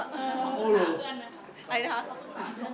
พี่เมย์ปรึกษาเพื่อนไหม